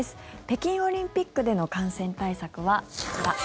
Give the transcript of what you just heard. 北京オリンピックでの感染対策はこちら。